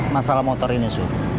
masalah motor ini su